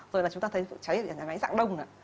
rồi là chúng ta thấy cháy ở nhà máy dạng đông này